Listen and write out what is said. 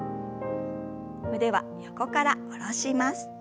腕は横から下ろします。